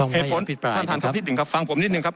เหตุผลท่านท่านนิดหนึ่งครับฟังผมนิดนึงครับ